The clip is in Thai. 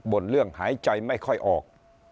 ่นเรื่องหายใจไม่ค่อยออก